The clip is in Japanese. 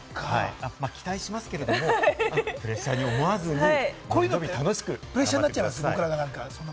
期待しますけれども、プレッシャーに思わずにプレッシャーになっちゃいます？